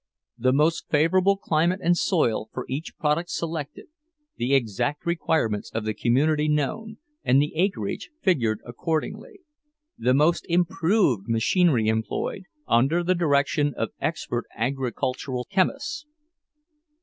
The most favorable climate and soil for each product selected; the exact requirements of the community known, and the acreage figured accordingly; the most improved machinery employed, under the direction of expert agricultural chemists!